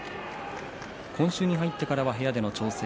今週に入っては部屋での調整。